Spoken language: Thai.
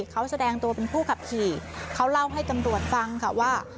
เขาแสดงตัวเป็นผู้ขับขี่เขาเล่าให้ตำรวจฟังค่ะว่า